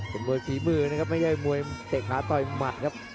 เป็นมวยฝีมือนะครับไม่ใช่มวยเตะขาต่อยหมัดครับ